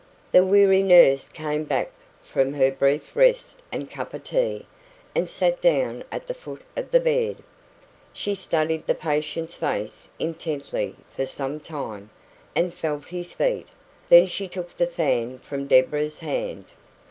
The weary nurse came back from her brief rest and cup of tea, and sat down at the foot of the bed. She studied the patient's face intently for some time, and felt his feet; then she took the fan from Deborah's hand.